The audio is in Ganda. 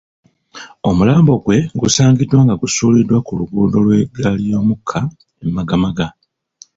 Omulambo gwe gusangiddwa nga gusuuliddwa ku luguudo lw'eggaali y'omukka e Magamaga